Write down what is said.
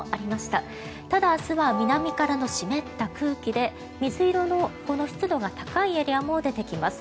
ただ、明日は南からの湿った空気で水色のこの湿度が高いエリアも出てきます。